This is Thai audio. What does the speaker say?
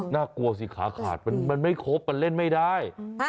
น่ากลัวสิขาขาดมันไม่ครบมันเล่นไม่ได้